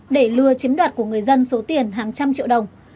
để lừa chiếm đoạt của người dân số tiền hàng trăm triệu đồng